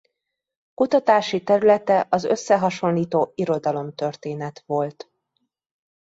Kutatási területe az összehasonlító irodalomtörténet volt.